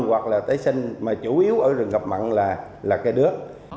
hoặc là tế sinh mà chủ yếu ở rừng gặp mặn là cây đứa